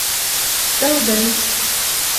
Dao dezhi !